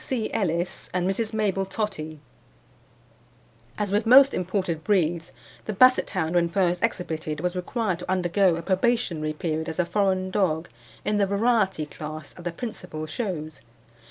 C. Ellis and Mrs. Mabel Tottie. As with most imported breeds, the Basset hound when first exhibited was required to undergo a probationary period as a foreign dog in the variety class at the principal shows.